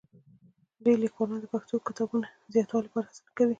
ډېری لیکوالان د پښتو کتابونو د زیاتوالي لپاره هڅه نه کوي.